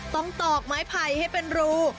ตอกไม้ไผ่ให้เป็นรู